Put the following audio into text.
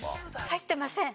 「入ってません」。